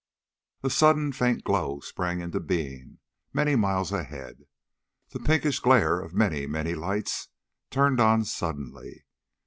A sudden faint glow sprang into being, many miles ahead. The pinkish glare of many, many lights turned on suddenly.